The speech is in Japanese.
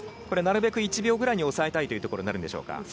これはなるべく１秒ぐらいに抑えたいとなるんでしょうか。